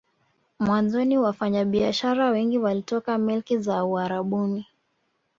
Mwanzoni wafanya biashara wengi walitoka milki za Uarabuni